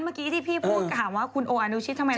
เมื่อกี้ที่พี่พูดถามว่าคุณโออนุชิตทำไมล่ะ